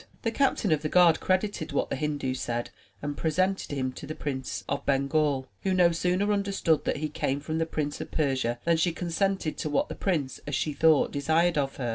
The Captain of the Guard credited what the Hindu said and presented him to the Princess of Bengal, who no sooner understood that he came from the Prince of Persia, than she consented to what the prince, as she thought, desired of her.